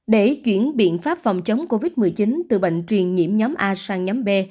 để chuyển biện pháp phòng chống covid một mươi chín từ bệnh truyền nhiễm nhóm a sang nhóm b